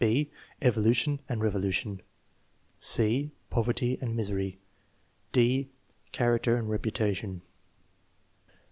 (I) Evolution and revolution? (c) Poverty and misery? (d) Character and reputation?